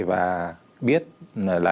và biết là